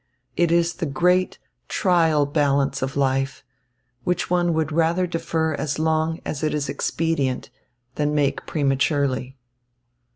It is the great trial balance of life, which one would rather defer as long as is expedient than make prematurely.